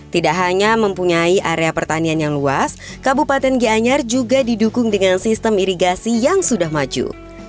tidak hanya mempunyai area pertanian yang luas kabupaten gianyar juga didukung dengan sistem irigasi yang sudah maju